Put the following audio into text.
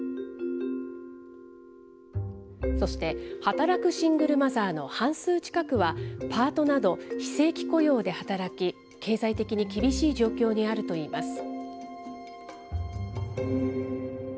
そして、働くシングルマザーの半数近くは、パートなど非正規雇用で働き、経済的に厳しい状況にあるといいます。